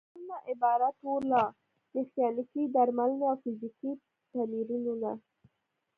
درملنه عبارت وه له: میخانیکي درملنه او فزیکي تمرینونه.